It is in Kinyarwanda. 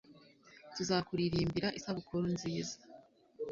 tuzakuririmbira isabukuru nziza